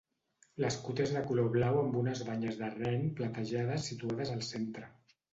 L'escut és de color blau amb unes banyes de ren platejades situades al centre.